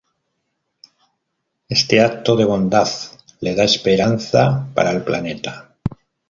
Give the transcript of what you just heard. Este acto de bondad le da esperanza para el planeta.